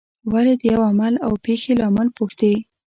ولې د یوه عمل او پېښې لامل پوښتي.